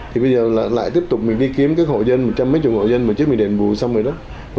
thì bây giờ lại tiếp tục mình đi kiếm các hội dân một trăm mấy chục hội dân mà trước mình đền bù xong rồi đó